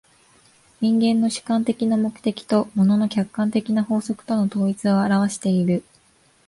人間の主観的な目的と物の客観的な法則との統一を現わしている。